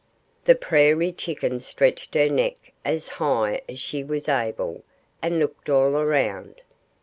The prairie chicken stretched her neck as high as she was able, and looked all around.